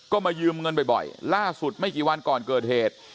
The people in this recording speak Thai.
ก็มายืมเงินบ่อยล่าสุดไม่กี่วันก่อนเกิดเหตุ